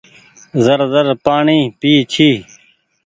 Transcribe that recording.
زر زر پآڻيٚ پئي ڇي۔